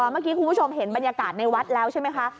เมื่อกี้คุณผู้ชมเห็นบรรยากาศในวัดแล้วใช่ไหมคะ